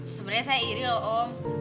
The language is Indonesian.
sebenarnya saya iri loh oh